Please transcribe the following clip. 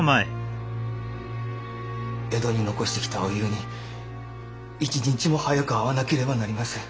江戸に残してきたお夕に一日も早く会わなければなりません。